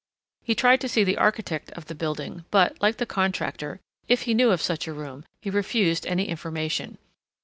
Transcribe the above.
He tried to see the architect of the building, but, like the contractor, if he knew of the such a room he refused any information.